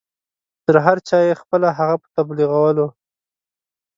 تر هر چا یې پخپله هغه په تبلیغولو.